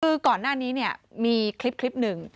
คือก่อนหน้านี้เนี่ยมีคลิปหนึ่ง